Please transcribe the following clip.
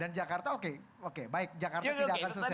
dan jakarta oke baik jakarta tidak akan selesai masalah